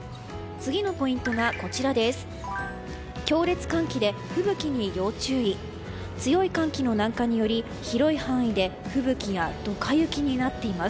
次のポイントがこちらです。